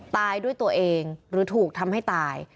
ตายด้วยตัวเองหรือถูกทำให้ตาย